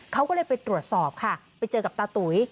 เขาก็เลยไปตรวจสอบค่ะไปเจอกับตาตุ๋ย